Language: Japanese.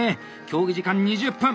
競技時間２０分！